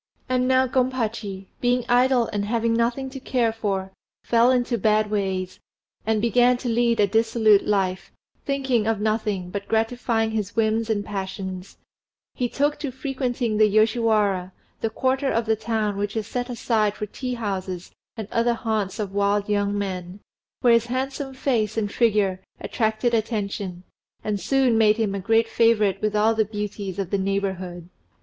And now Gompachi, being idle and having nothing to care for, fell into bad ways, and began to lead a dissolute life, thinking of nothing but gratifying his whims and passions; he took to frequenting the Yoshiwara, the quarter of the town which is set aside for tea houses and other haunts of wild young men, where his handsome face and figure attracted attention, and soon made him a great favourite with all the beauties of the neighbourhood.